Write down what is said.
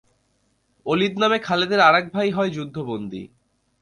Walid নামে খালিদের আরেক ভাই হয় যুদ্ধবন্দি।